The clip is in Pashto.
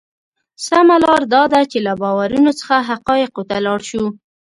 سمه لار دا ده چې له باورونو څخه حقایقو ته لاړ شو.